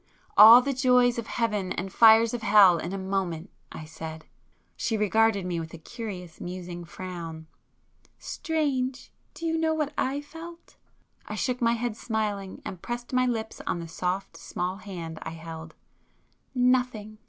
"All the joys of heaven and fires of hell in a moment!" I said. She regarded me with a curious musing frown. "Strange! Do you know what I felt?" I shook my head smiling, and pressed my lips on the soft small hand I held. "Nothing!"